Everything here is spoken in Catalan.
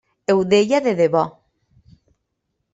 Ho deia de debò.